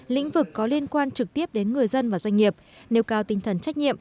lĩnh vực có liên quan trực tiếp đến người dân và doanh nghiệp nêu cao tinh thần trách nhiệm